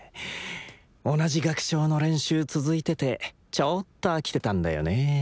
同じ楽章の練習続いててちょっと飽きてたんだよね。